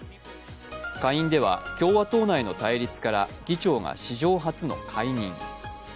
下院では、共和党内の対立から議長が史上初の解任。